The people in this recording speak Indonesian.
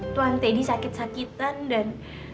tuan teddy sakit sakitan dan